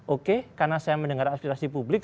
oke karena saya mendengar aspirasi publik